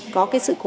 có cái sự khó khăn